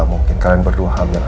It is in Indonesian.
udah seperti g skip file